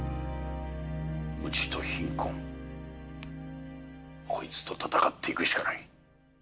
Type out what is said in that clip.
無知と貧困こいつと闘っていくしかない。